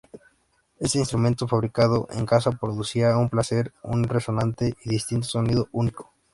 Este instrumento fabricado en casa producía un placer, un resonante y distintivo sonido único.